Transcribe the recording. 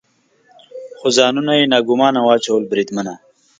خو ځانونه یې ناګومانه واچول، بریدمنه.